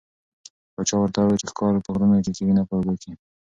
پاچا ورته وویل چې ښکار په غرونو کې کېږي نه په اوبو کې.